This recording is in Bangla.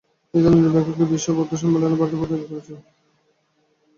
তিনি থাইল্যান্ডের ব্যাংককে বিশ্ব বৌদ্ধ সম্মেলনে ভারতের প্রতিনিধিত্ব করেছিলেন।